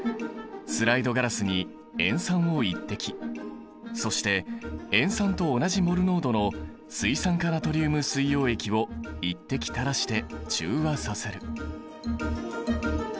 スライドガラスに塩酸を一滴。そして塩酸と同じモル濃度の水酸化ナトリウム水溶液を一滴垂らして中和させる。